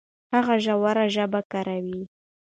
هغه ژوره ژبه کاروي.